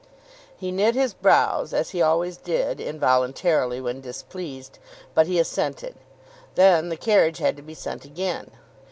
He knit his brows, as he always did, involuntarily, when displeased; but he assented. Then the carriage had to be sent again.